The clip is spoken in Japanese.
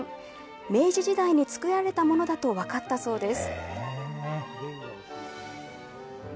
明治時代に作られたものだと分かったそうです。